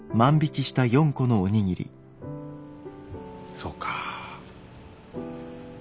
そうかあ。